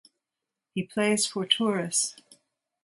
He plays for Turris.